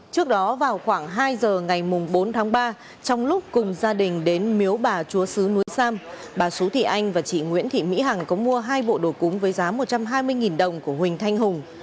trước đó vào khoảng hai giờ ngày bốn tháng ba trong lúc cùng gia đình đến miếu bà chúa sứ núi sam bà sú thị anh và chị nguyễn thị mỹ hằng có mua hai bộ đồ cúng với giá một trăm hai mươi đồng của huỳnh thanh hùng